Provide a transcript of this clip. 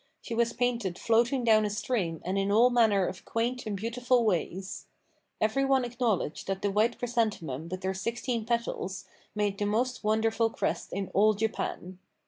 She was painted floating down a stream and in all manner of quaint and beautiful ways. Every one acknowledged that the white chrysanthemum with her sixteen petals made the most wonderful crest in all Japan.